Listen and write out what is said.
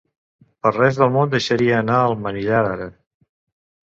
Per res del món deixaria anar el manillar, ara.